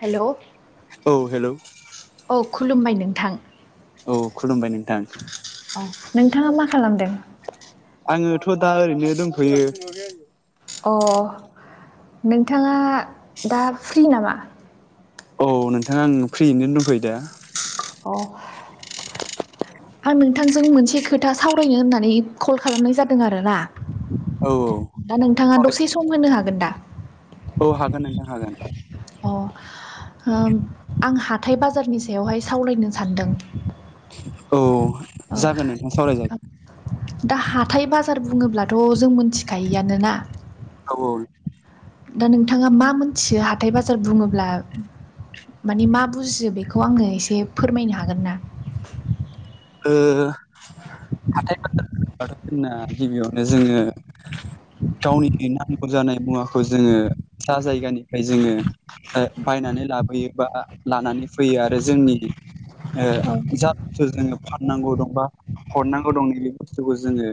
हेल' औ हेल' औ खुलुमबाय नोंथां औ खुलुमबाय नोंथां औ नोंथाङा मा खालामदों आङोथ' दा ओरैनो दंथ'यो अ नोंथाङा दा फ्रि नामा औ नोंथाङा आं फ्रियैनो दंथ'यो दा अ आं नोंथांजों मोनसे खोथा सावरायनो होननानै कल खालामनाय जादों आरोना औ दा नोंथाङा औ दसे सम होनो हागोन दा औ हागोन नोंथां हागोन अ आं हाथाय बाजारनि सायावहाय सावरायनो सानदों औ औ जागोन नोंथाङा सावरायजागोन दा हाथाय बाजार बुङोब्लाथ' जों मोनथिखायोआनोना औ औ दा नोंथाङा मा मोनथियो हाथाय बाजार बुङोब्ला माने मा बुजियो बेखौ आङो एसे फोरमायनो हागोन ना? ओ [inaudible] बाथौ फिना गिबियावनो जोङो गावनि नामखुर जानाय मुवाखौ जोङो जा जायगानिफ्राय जोङो बायनानै लाबोयोबा लानानै फैयो आरो जोंनि ओ औ जाखौ जो फाननांगौ दंबा हरनांगौ दं नैबे बुस्थुखौ जोङो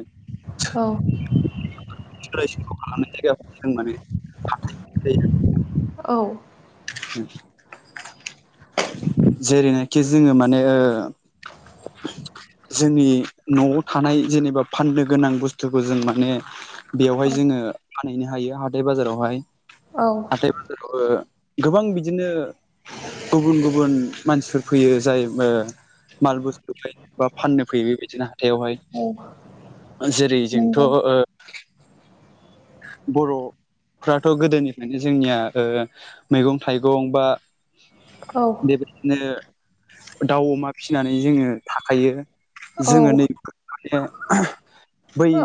औ [unintelligible] औ उम जेरैनाखि जोङो माने ओ [inaudible] जोंनि नआव थानाय जेनेबा फाननो गोनां बुस्थुखौ जों माने औ बेवहाय जोङो ओ फानहैनो हायो हाथाय बाजारावहाय, औ हाथथाय बाजारावबो गोबां बिदिनो गुबुन गुबुन मानसिफोर फैयो जाय ओ माल बुस्थु फै बा फाननो फैयो बेबायदिनो हथायावहाय औ जेरै जोंथ नंगौ ओ बर फ्राथ गोदोनिफ्रायनो जोंनिया ओ मैगं थाइगं बा औ नो दाउ अमा फिसिनानै जोङो थाखायो औ जोङो नै माने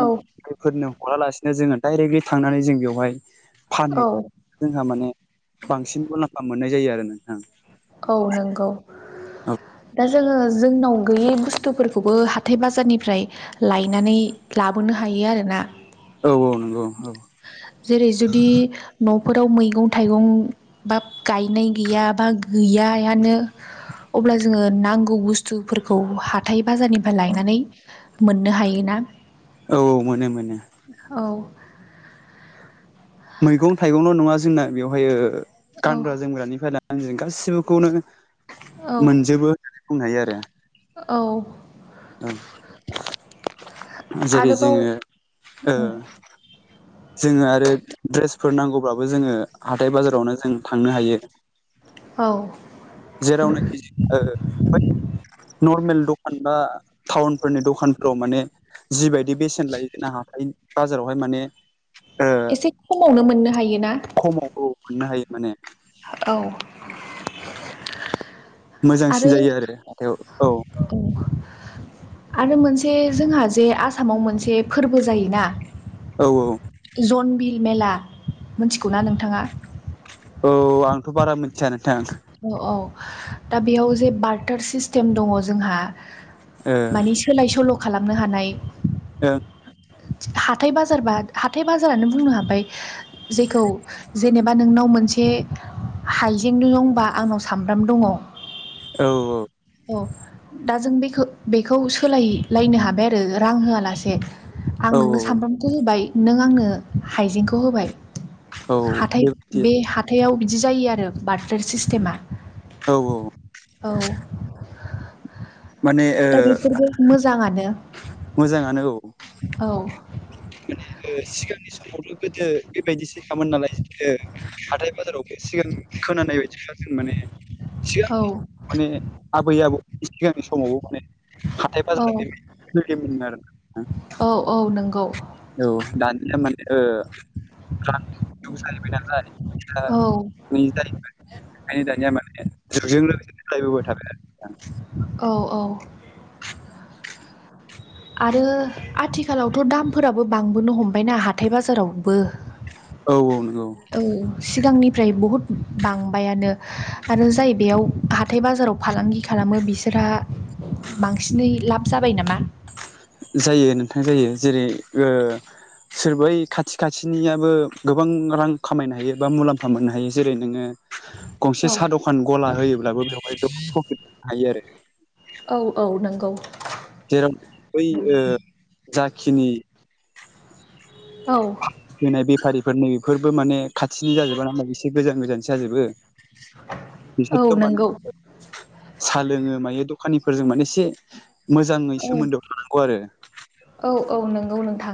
औ हालासिनो जोङो डाइरेक्टलि थांनानै जों बेवहाय औ फानहैयो जोंहा माने बांसिन मुलाम्फा मोननाय जायो आरो नोंथांं। औ नोंगौ। दा जोङो जोंनाव गैयै बुस्थुफोरखौबो हाथाय बा बाजारनिफ्राय लायनानै लाबोनो हायो आरोना। औ औ नोंगौ औ। जेरै- जुदि न फोराव मैगं थाइगं बा गायनाय गैया बा गैयानो अब्ला जोङो नांगौ बुस्थुफोरखौ हाथाय बाजारनिफ्राय लायनानै मोननो हायोना। औ औ मोनो मोनो। औ मैगं थाइगंल नङा जोंना बेवहाय ओ औ गानग्रा जोमग्रानिफ्राय ला गाससिबोखौनो औ मोनजोबो होननानै बुंनो हायो आरो। औ जेरै आरोबाव जोङो ओ जोङो आरो द्रेस फोर नांगौब्लाबो जोङो हाथाय बाजारावनो जों थांनो हायो औ जेरावनाखि ओ नर्मेल खान बा टाउन फोरनि दखानफोराव माने जिबायदि बेसेन लायो जों हाथाय बाजारावहाय मा माने ओ एसे खमावनो मोननो हायो ना। खमाव मोननो हायो माने औ [inaudible] आरो मोजांसिन जायो हाथायाव औ [inaudible] आरो मोनसे जोंहा जे आसामाव मोनसे फोरबो जायो औ जनबिल मेला मिथिगौ ना नोंथाङा? औ आंथ बारा मिथिया नोंथां। औ औ दा बेयाव जे बारटार सिस्टेम दङ जोंहा माने सोलाय सोल खालामनो हानाय ओं हाथथाय बाजारबा हाथथाय बाजारानो बुंनो हाबाय। जेखौ जेनेबा नोंनाव मोनसे हाइक जें लोंबा आंनाव सामब्राम दङ औ औ औ दा जों बेखौ बेखौ सोलाय लायनो हाबाय आरो रां होआलासे आं औ नोंनो सामब्रामखौ होबाय नों आंनो हाइजेंखौ होबाय औ हाथाय बेबायदि बे हाथायाव बिदि जायो आरो बार्थार सिस्टेमा औ औ माने ओ दा बेफोरबो मोजाङानो मोजाङानो औ औ माने सिगांनि समावथ' गोदो बेबायदिसो खामोन नालाय हाथाय बाजारावबो सिगां खोनानाय बायदिबा जों माने औ सिगांनि माने आबै आबौ सिगांनि समाव हाथाइ औ बाजारा बेबादि सोलियोमोन आरो नोंथां औ औ नंगौ औ दानिया माने ओ जाहैबाय नालाय गोयि औ जाहैबाय ओफाय दानिया माने जुगजों लोगोसे सोलायबोबाय थाबाय आरो नोंथां औ औ आरो आथिखालावथ' दामफोराबो बांबोनो हमबायना हाथाय बाजारावबो औ नंगौ औ सिगांनि फ्राय बहुद बांबायानो आरो जाय बेयाव हाथाय बाजाराव फालांगि खालामो बिसोर फ्रा बांसिनै लाब जाबाय नामा जायो नोंथां जायो जेरै ओ सोरबै खाथि खाथिनियाबो गोबां रां खामायनो हायो बा मुलाम्फा मोननो हायो जेरै नोङो औ गंसे साहा दखान गला होयोब्लाबो बेवहाय गोबां प्रफिट मोननो हायो आरो औ औ नंगौ जेराव बै जाखिनि औ होनाय बेफारिफोर नै बेफोरबो माने खाथिनि जाजोबा नामा एसे गोजान गोजानसो जाजोबो औ बिसोरथ' नंगौ माने साहा लोङो मायो यो दखानिफोरजों माने एसे मोजाङै औ सोमोन्दोआव थानांगौ आरो थां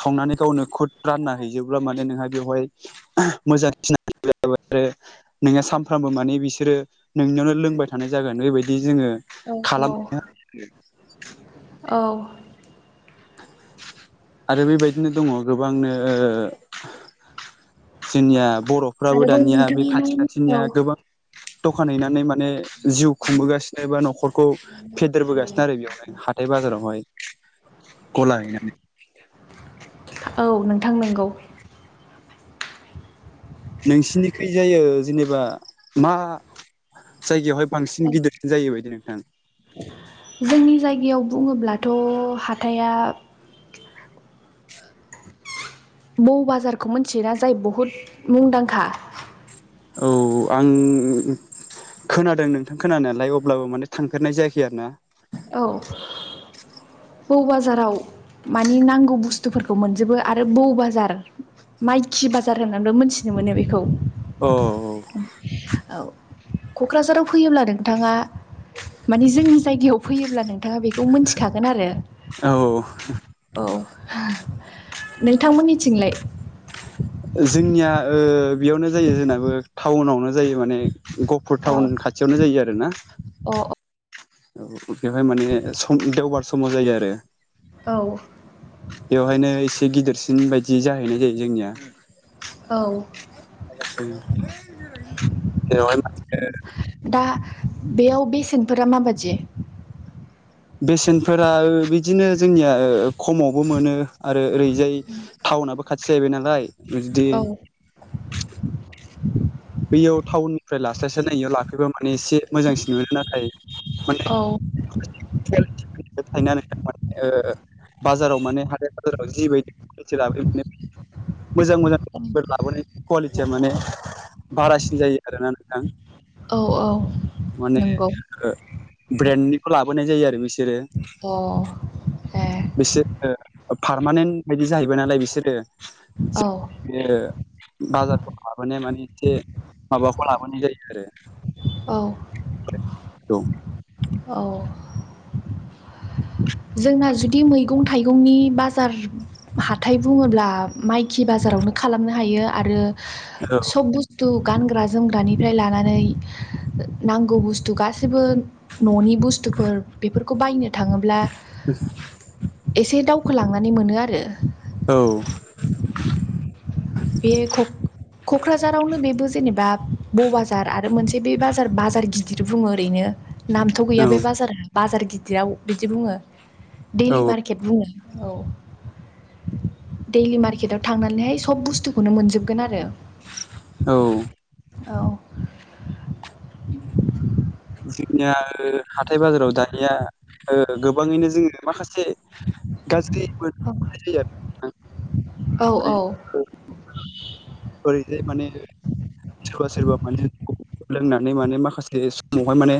सावनानै गावनो खुद रानना हैजोबब्ला माने नोंहा बेवहाय मोजां सिनाय आरो नोङो सानफ्रामबो माने बिसोरो नोंनियावनो लोंबाय थानाय जागोन बेबायदि जोङो औ औ खालामनो हायो औ आरो बेबायदिनो दङ गोबांनो ओ जोंनिया बर'फ्राबो आरोबाव दानिया बे खाथि नों खाथिनिया औ गोबां दखान हैनानै माने जिउ खुंबोगासिनो बा न'खरखौ फेदेरबोगासिनो आरो हा हाथाय बाजारावहाय गला हैनानै औ नोंथां नंगौ नोंसिनिखै जायो जेनेबा मा जायगायावहाय बांसिन गिदिरसिन जायो बायदि नोंथां जोंनि जायगायाव बुङोब्ला थ' हाथाइया बौ बाजारखौ मिथियोना जाय बहुद मुंदांखा औ आं खोनादों नोंथां खोनानायालाय अब्लाबो माने थांफेरनाय जायाखै आरो ना औ बौ बाजाराव मानि नांगौ बुस्थुफोरखौ मोनजोबो आरो बौ बाजार माइकि बाजार होननानैबो मोनथिनो मोनो बेखौ अ औ क'क्राझाराव फैयोब्ला नोंथाङा माने जोंनि जायगायाव फैयोब्ला नोंथाङा बेखौ मोनथिखागोन आरो औ औ नोंथांमोननिथिंलाय? जोंनिया ओ बेयावनो जायो जोंनाबो टाउनावनो जायो माने गहपुर अ टाउन खाथियावनो जायो आरो ना अ औ । बेवहाय माने सम देवबार समाव जायो आरो । औ बेवहायनो एसे गिदिरसिन बायदि जाहैनाय जायो जोंनिया । औ बेवहायनो बांसिन गेदेर जायो आरो जोंनिया हा बेयाव बेसेनफोरा माबादि? बेसेनफोरा बिदिनो जोंनिया खमावबो मोनो आरो ओरै जाय टाउनाबो खाथि जाहैबाय नालाय बिदि औ [inaudible] एसारस नायनो लाफैबा माने एसे मोजांसिन मोनो नाथाय माने औ [unintelligible] ओ माने बाजाराव माने हाथाय बाजाराव जिबायदि लाबोयो माने मोजां मोजां लाबोनाय कुवालिटिया माने बारासिन जायो आरोना नोंथां । औ औ माने नंगौ ओ ब्रेन्डनिखौ लाबोनाय जायो आरो बिसोरो । अ बिसोर ओ पारमानेन्ट बायदि जाहैबाय नालाय बिसोरो औ [unintelligible] बाजारफोर लाबोनाय माने एसे माबाखौ लाबोनाय जायो आरो । औ औ औ जोंना जुदि मैगं थाइगंनि बाजार हाथाइ बुङोब्ला माइखि बाजार रावनो खालामनो आरो औ सब बुुसथु गानग्रा जोमग्रानिफ्राय लानानै ओ नांगौ बुस्थु गासैबो न'नि बुस्थु बुस्थुफोर बेफोरखौ बायनो थाङोब्ला [unintelligible] एसे दावखोलांनानै मोनो आरो । औ बे क'क्राझारावनो बेबो जेनेबा ब बाजार आरो मोनसे बे बाजार बाजार गिदिर बुङो ओरैनो नामथ' औ गैया बे बाजारा बाजार गिदिराव बिदि बुङो दैडलि औ मारकेट बुङो । औ दैडलि मारकेटाव थांनानैहाय सब बुस्थु बथुनो मोनोबगोन आरो औ औ । जोंनिया हाथाय बाजाराव दानिया ओ गोबाङैनो जोङो माखासे गाज्रि मोनाय जायो औ आरोना । [unintelligible] माने सोरबा सोरबा माने लोंनानै माने माखासे समावहाय माने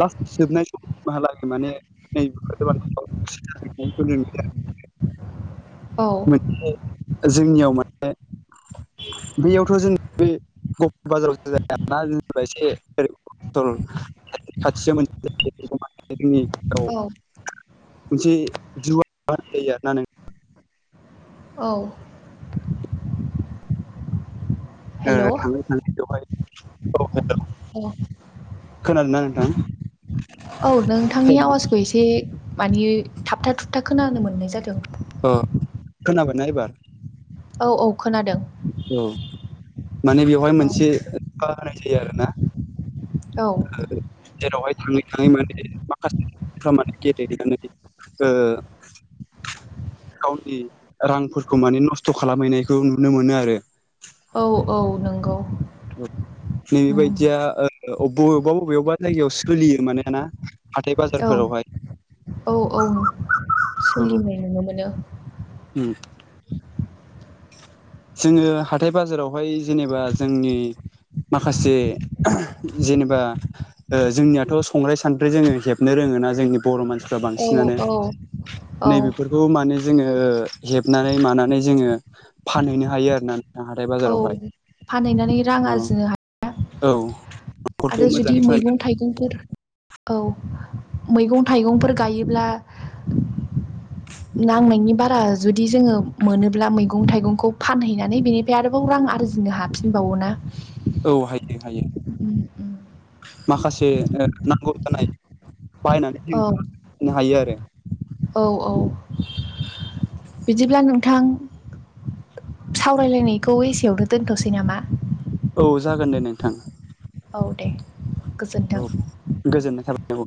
लास जोबनाय सम मालाग माने नैबेखौ गोबनायखौ नुयो आरो । औ जोंनियाव माने बेयावथ' जेन बे [unintelligible] जेनेबा एसे खाथियाव मोनसे [unintelligible] औ मोनसे जिवा जायो आरो ना नोंथां औ ए हेल' औ थाङै थाङै बेवहाय औ हेल' खोनादोंना नोंथां? औ नोंथांनि आवाजखौ एसे मानि थाबथा थुबथा खोनानो मोननाय जादों । अ खोनाबायनाा एबार? औ औ खोनादों औ औ दि आरोना औ जेरावहाय थाङै थाङै माने माखासेफ्रा माने गेलेनानै ओ गावनि रांफोरखौ माने नस्थ' खालामहैनायखौ नुनो मोनो आरो औ औ नंगौ ओ नैबेबायदिया ओ अब बबेबा बबेआवबा जायगायाव सोलियो माने ना हाथाय औ बाजारफोरावहाय औ औ सोलिनाय नुनो मोनो हम [inaudible] जोङो हाथाय बाजारावहाय जेनेबा जोंनि माखासे ओह जेनेबा ओ जोंनियाथ' संग्राय सानद्रि जोङो हेबनो रोङोना जोंनि बर' मानसि फ्रा औ बांसिनानो औ औ नैबेफोरखौ माने जोङो ओ हेबनानै मानानै जोङो फानहैनो हायो आरो ना औ फानहैनानै रां औ आरजिनो हायो औ न'खरखौ आरो जुदि मोजाङै सालायनो मैगं थाइगंफोर औ मैगं थाइगंफोर गायोब्ला नांनायनि बारा जुदि जोङो मोनोब्ला मैगं थाइगंखौ फानहैनानै बेनिफ्राय आरोबाव रां आरजि नो हाफिनबावोना औ हायो हायो माखासे ओ नांगौ जानाय बायनानै औ जोंनो हायो आरो औ औ बिदिब्ला नोंथां सावरायलायनायखौ एसेयावनो दोनथ'सै नामा औ जागोन दे नोंथां औ दे गोजोन्थों औ गोजोननाय थाबाय औ